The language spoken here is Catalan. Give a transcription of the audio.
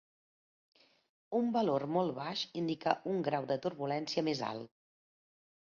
Un valor molt baix indica un grau de turbulència més alt.